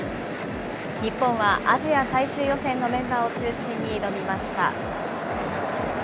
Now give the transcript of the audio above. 日本はアジア最終予選のメンバーを中心に挑みました。